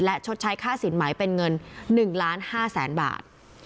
และชดใช้ค่าสินหมายเป็นเงิน๑๕๐๐๐๐๐บาท